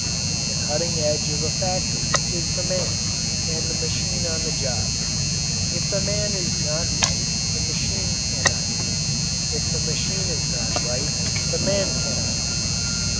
The cutting edge of a factory is the man and the machine on the job. If the man is not right the machine cannot be; if the machine is not right the man cannot be.